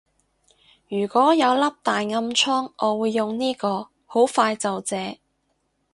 如果有粒大暗瘡我會用呢個，好快就謝